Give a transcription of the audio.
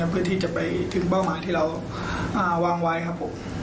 เพื่อที่จะไปถึงเป้าหมายที่เราวางไว้ครับผม